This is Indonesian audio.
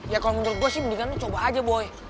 ya kalau menurut gue sih mendingan coba aja boy